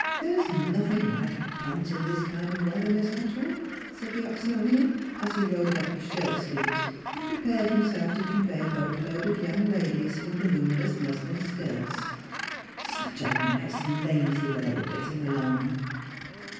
" There's nothing like a punt in this kind of weather, Miss Luttrell," said the Oxonian, as he rolled up his shirt sleeves and prepared himself to convey a boatload of young ladies in volu minous muslin skirts ;" such a nice lazy way of getting along."